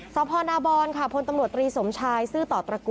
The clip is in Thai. สพนาบรค่ะพลตำรวจตรีสมชายซื่อต่อตระกูล